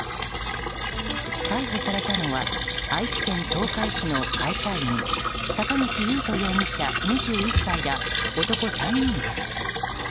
逮捕されたのは愛知県東海市の会社員坂口優斗容疑者、２１歳ら男３人です。